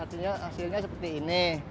hasilnya seperti ini